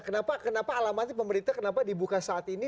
kenapa alamatnya pemerintah dibuka saat ini